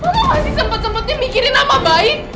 ma masih sempet sempetnya mikirin nama baik